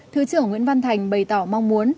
thứ trưởng nguyễn văn thành bày tỏ mong muốn